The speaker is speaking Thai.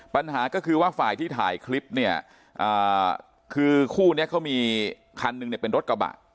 ปัญหาก็คือว่าฝ่ายที่ถ่ายคลิปเนี่ยคือคู่นี้เขามีคันหนึ่งเนี่ยเป็นรถกระบะ